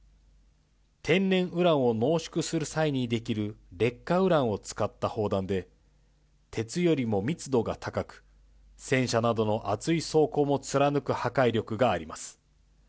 天然ウランを濃縮する際に出来る劣化ウランを使った砲弾で、鉄よりも密度が高く、戦車などの厚い装甲も貫く破壊力があります。